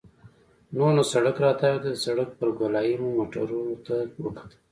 نور نو سړک راتاوېده، د سړک پر ګولایې مو موټرو ته وکتل.